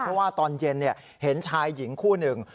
เพราะว่าตอนเย็นเห็นชายหญิงคู่หนึ่ง